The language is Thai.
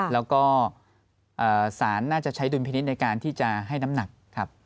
แล้วก็สารน่าจะใช้ดุลพินิษฐ์ในการที่จะให้น้ำหนักครับ